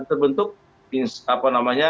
terbentuk apa namanya